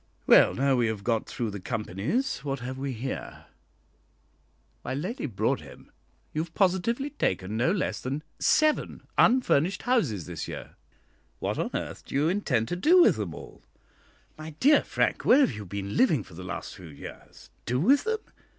"Well, now we have got through the companies, what have we here? Why, Lady Broadhem, you have positively taken no less than seven unfurnished houses this year. What on earth do you intend to do with them all?" "My dear Frank, where have you been living for the last few years? Do with them?